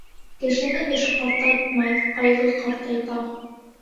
Кешене эш ҡартайтмай, ҡайғы ҡартайта.